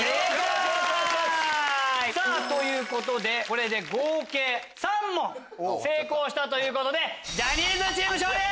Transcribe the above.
これで合計３問成功したということでジャニーズチーム勝利！